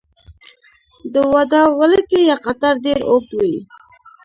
د واده ولکۍ یا قطار ډیر اوږد وي.